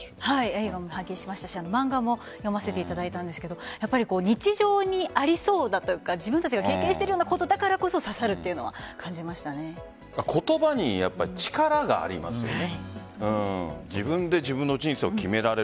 映画も拝見しましたし漫画も読ませていただいたんですが日常にありそうだというか自分たちが経験してるようなことだからこそ言葉に力がありますよね。